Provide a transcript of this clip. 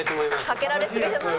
かけられすぎじゃない？